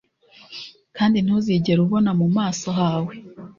kandi ntuzigere ubona mu maso hawe